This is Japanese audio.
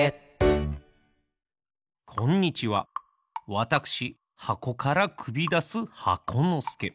わたくしはこからくびだす箱のすけ。